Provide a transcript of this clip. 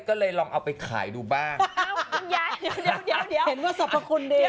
ก็เลยลองเอาไปขายดูบ้างคุณยายเดี๋ยวเดี๋ยวเดี๋ยวเดี๋ยวเดี๋ยวเดี๋ยว